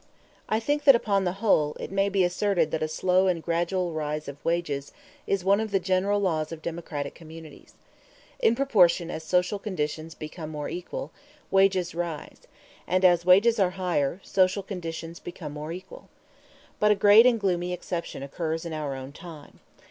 I think that, upon the whole, it may be asserted that a slow and gradual rise of wages is one of the general laws of democratic communities. In proportion as social conditions become more equal, wages rise; and as wages are higher, social conditions become more equal. But a great and gloomy exception occurs in our own time.